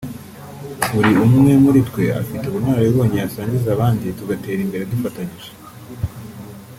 buri umwe muri twe afite ubunararibonye yasangiza abandi tugatera imbere dufatanyije